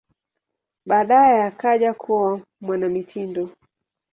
Baadaye akaja kuwa mwanamitindo.